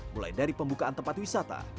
mulai dari pembukaan tempat wisata